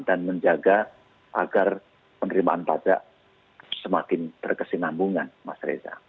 dan menjaga agar penerimaan pajak semakin terkesinambungan mas reza